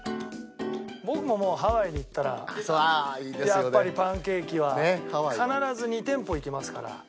僕ももうハワイに行ったらやっぱりパンケーキは必ず２店舗行きますから。